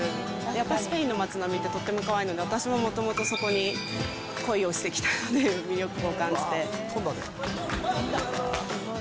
やっぱりスペインの街並みってとてもかわいいので、私ももともとそこに恋をしてきたので、魅力を感じて。